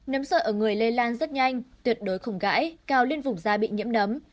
nấm sợi ở người lây lan rất nhanh tuyệt đối khủng gãi cao lên vùng da bị nhiễm nấm